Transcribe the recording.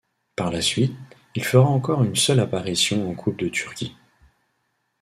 Par la suite, il fera encore une seule apparition en Coupe de Turquie.